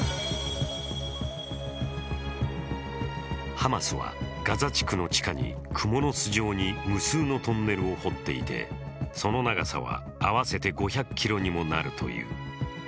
ハマスはガザ地区の地下にくもの巣状に無数のトンネルを掘っていてその長さは合わせて５００ｋｍにもなるという。